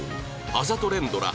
あざと連ドラ